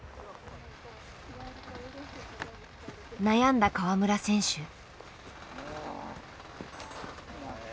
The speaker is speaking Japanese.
悩んだ川村選手。